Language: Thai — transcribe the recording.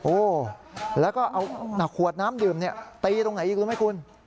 โอ้แล้วก็เอาขวดน้ำดื่มตีตรงไหนอีกรู้ไหมคุณ